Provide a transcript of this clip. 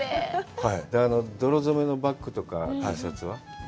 泥染めのバッグとかＴシャツは？